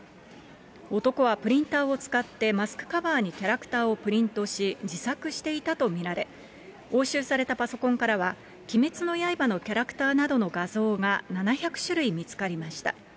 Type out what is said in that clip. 男はプリンターを使ってマスクカバーにキャラクターをプリントし、自作していたと見られ、押収されたパソコンからは鬼滅の刃のキャラクターなどの画像が７００種類見つかりました。